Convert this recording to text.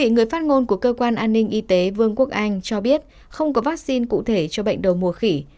người phát ngôn của cơ quan an ninh y tế vương quốc anh cho biết không có vaccine cụ thể cho bệnh đầu mùa khỉ